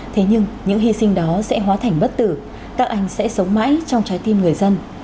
thế nhưng những hy sinh đó sẽ hóa thành bất tử các anh sẽ sống mãi trong trái tim người dân